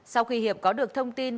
sau khi hiệp có được thông tin